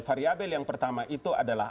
variabel yang pertama itu adalah